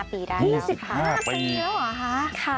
๒๕ปีแล้วหรอฮะ